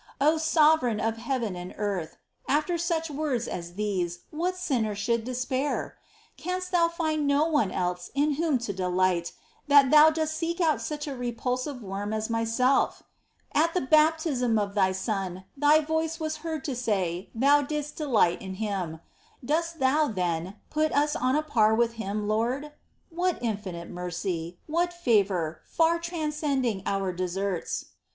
^ O Sovereign of heaven and earth ! after such words as these what sinner should despair ? Canst Thou find no one else in whom to delight, that Thou dost seek out such a repulsive worm as myself ? At the baptism of Thy Son, Thy voice was heard to say Thou didst delight in Him.^ Dost Thou, then, put us on a par with Him, Lord ? 2. What infinite mercy ! what favour, far transcending our deserts